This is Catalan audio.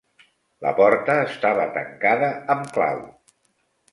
La porta estava tancada amb clau.